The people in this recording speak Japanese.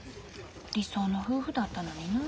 理想の夫婦だったのにな。